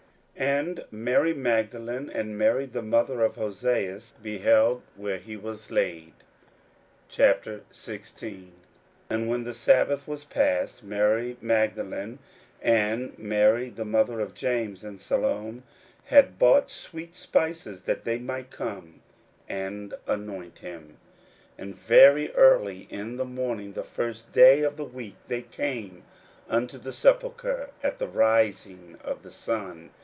41:015:047 And Mary Magdalene and Mary the mother of Joses beheld where he was laid. 41:016:001 And when the sabbath was past, Mary Magdalene, and Mary the mother of James, and Salome, had bought sweet spices, that they might come and anoint him. 41:016:002 And very early in the morning the first day of the week, they came unto the sepulchre at the rising of the sun.